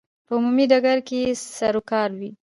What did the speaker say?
په عمومي ډګر کې یې سروکار وي.